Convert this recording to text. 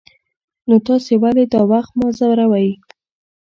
نو تاسې ولې دا وخت ما ځوروئ.